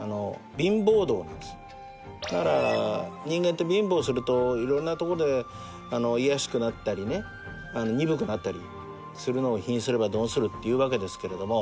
人間って貧乏するといろんなとこで卑しくなったりね鈍くなったりするのを「貧すれば鈍する」って言うわけですけれども。